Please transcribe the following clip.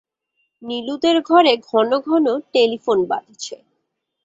নীলুদের ঘরে ঘনঘন টেলিফোন বাজছে।